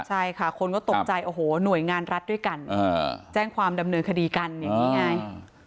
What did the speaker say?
ใช่ค่ะคนก็ตกใจโอ้โหหน่วยงานรัฐด้วยกันแจ้งความดำเนินคดีกันอย่างนี้ไง